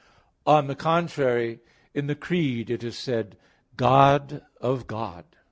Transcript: On the contrary, In the Creed it is said, "God of God."